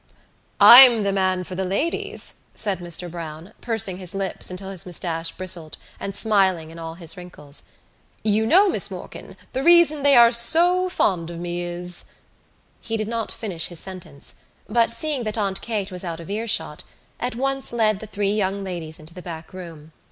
"I'm the man for the ladies," said Mr Browne, pursing his lips until his moustache bristled and smiling in all his wrinkles. "You know, Miss Morkan, the reason they are so fond of me is——" He did not finish his sentence, but, seeing that Aunt Kate was out of earshot, at once led the three young ladies into the back room.